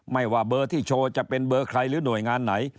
ไม่ว่าเบอร์ที่โชว์จะเป็นเบอร์ใครหรือหน่วยงานไหน